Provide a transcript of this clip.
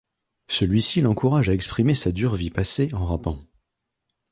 Celui-ci l'encourage à exprimer sa dure vie passée en rappant.